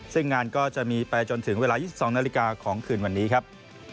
ซึ่งงานก็จะมีไปจนถึงเวลา๒๒นาฬิกาของคืนวันนี้ครับ